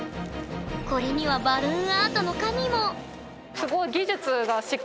これにはバルーンアートの神も。